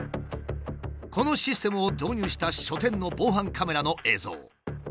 このシステムを導入した書店の防犯カメラの映像。